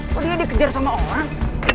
kok dia dikejar sama orang